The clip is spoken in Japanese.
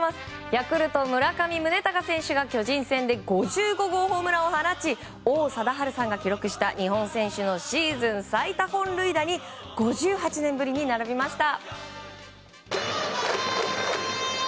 ヤクルト、村上宗隆選手が巨人戦で５５号ホームランを放ち王貞治さんが記録した日本選手のシーズン最多本塁打に５８年ぶりに並びました。